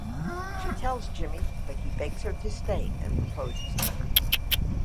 She tells Jimmy but he begs her to stay and proposes to her.